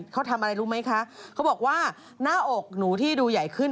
เขาทำอะไรรู้ไหมคะเขาบอกว่าหน้าอกหนูที่ดูใหญ่ขึ้น